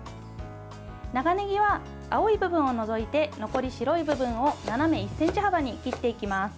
長ねぎは青い部分を除いて残り白い部分を斜め１ｃｍ幅に切っていきます。